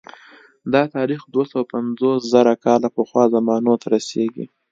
دا تاریخ دوه سوه پنځوس زره کاله پخوا زمانو ته رسېږي